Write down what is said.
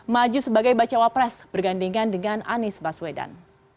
maju sebagai cawapres bergandingan dengan anies baswedan